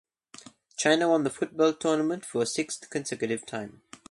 China won the football tournament for a sixth consecutive time.